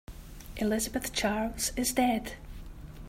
Elizabeth Charles is dead.